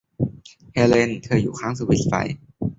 เฮเลน เธออยู่ข้างสวิตช์ไฟ